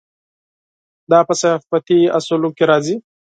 دا په صحافتي اصولو کې راځي.